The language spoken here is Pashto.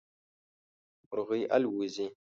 مرغی الوزي